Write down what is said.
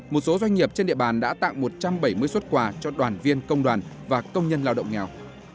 một số doanh nghiệp trên địa bàn đã tặng một trăm bảy mươi xuất quà cho đoàn viên công đoàn và công nhân lao động nghèo